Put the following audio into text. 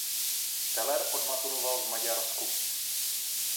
Teller odmaturoval v Maďarsku.